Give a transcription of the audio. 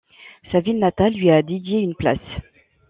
Sa ville natale lui a dédié une place.